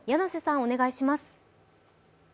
お願いします。